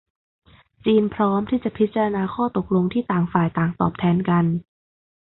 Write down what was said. จีนพร้อมที่จะพิจารณาข้อตกลงที่ต่างฝ่ายต่างตอบแทนกัน